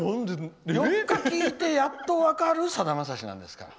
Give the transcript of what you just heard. ４日聴いてやっと分かるさだまさしですから。